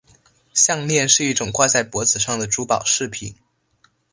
项链是一种挂在脖子上的珠宝饰品。